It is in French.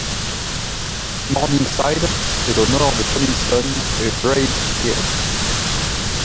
Morningside est au nord de Comiston et Braid Hills.